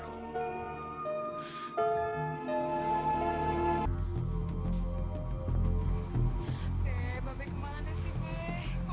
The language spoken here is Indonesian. boleh saya melihat di buka